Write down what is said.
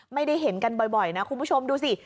ไม่ได้เห็นกันบ่อยนะคุณผู้ชมดูสิ